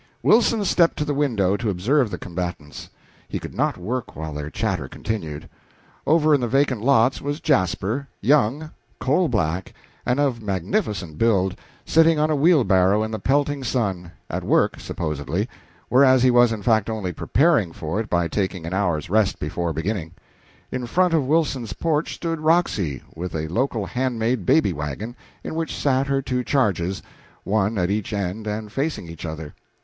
Wilson stepped to the window to observe the combatants; he could not work while their chatter continued. Over in the vacant lots was Jasper, young, coal black and of magnificent build, sitting on a wheelbarrow in the pelting sun at work, supposably, whereas he was in fact only preparing for it by taking an hour's rest before beginning. In front of Wilson's porch stood Roxy, with a local hand made baby wagon, in which sat her two charges one at each end and facing each other.